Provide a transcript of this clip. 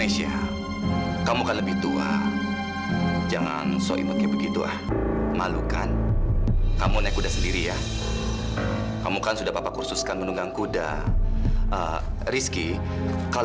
sampai jumpa di video selanjutnya